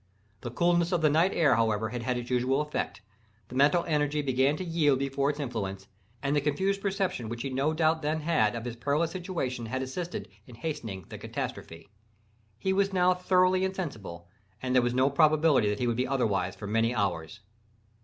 The coolness of the night air, however, had had its usual effect—the mental energy began to yield before its influence—and the confused perception which he no doubt then had of his perilous situation had assisted in hastening the catastrophe. He was now thoroughly insensible, and there was no probability that he would be otherwise for many hours.